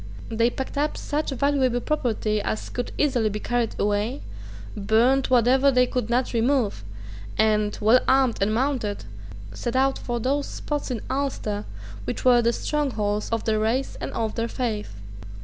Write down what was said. They packed up such valuable property as could easily be carried away, burned whatever they could not remove, and, well armed and mounted, set out for those spots in Ulster which were the strongholds of their race and of their faith.